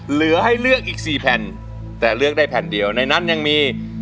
เหลือให้เลือกอีก๔แผ่นแต่เลือกได้แผ่นเดียวในนั้นยังมี